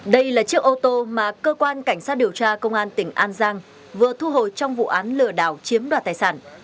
đây là chiếc ô tô mà cơ quan cảnh sát điều tra công an tỉnh an giang vừa thu hồi trong vụ án lừa đảo chiếm đoạt tài sản